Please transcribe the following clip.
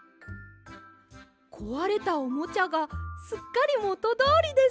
こわれたおもちゃがすっかりもとどおりです！